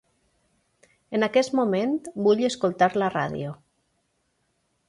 En aquest moment vull escoltar la ràdio.